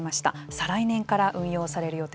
再来年から運用される予定です。